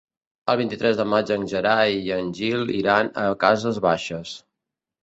El vint-i-tres de maig en Gerai i en Gil iran a Cases Baixes.